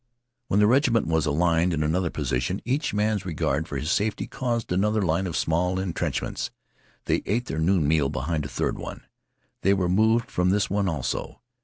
When the regiment was aligned in another position each man's regard for his safety caused another line of small intrenchments. They ate their noon meal behind a third one. They were moved from this one also.